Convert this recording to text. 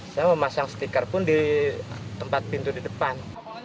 saya memasang stiker pun di tempat pintu di depan